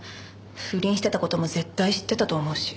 不倫してた事も絶対知ってたと思うし。